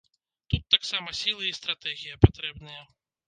Тут таксама сілы і стратэгія патрэбныя.